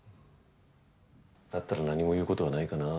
だったら何も言うことはないかな。